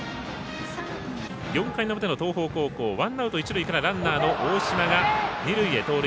４回の表の東邦高校ワンアウト、一塁から、大島が二塁へ盗塁。